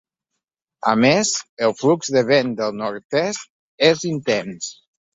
A més, el flux de vent del nord-est és intens.